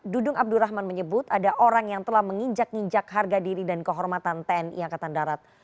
dudung abdurrahman menyebut ada orang yang telah menginjak ninjak harga diri dan kehormatan tni angkatan darat